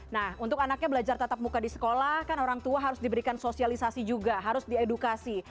nah untuk anaknya belajar tatap muka di sekolah kan orang tua harus diberikan sosialisasi juga harus diedukasi